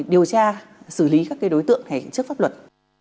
điều tra xử lý các đối tượng trước pháp luật